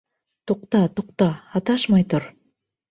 Туҡта, туҡта, һаташмай тор!